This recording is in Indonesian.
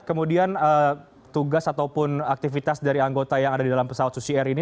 kemudian tugas ataupun aktivitas dari anggota yang ada di dalam pesawat susi air ini